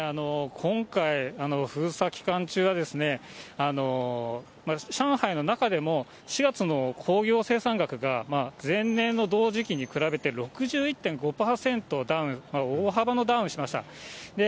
今回、封鎖期間中は、上海の中でも、４月の工業生産額が、前年の同時期に比べて６１．５％ダウン、大幅のダウンをしました。